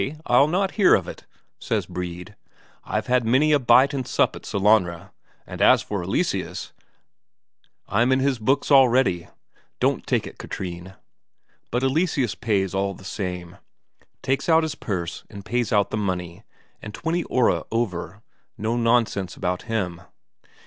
I'll not hear of it," says Brede. "I've had many a bite and sup at Sellanraa; and as for Eleseus, I'm in his books already. Don't take it, Katrine." But Eleseus pays all the same, takes out his purse and pays out the money, and twenty Ore over; no nonsense about him.